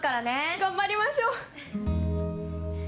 頑張りましょう！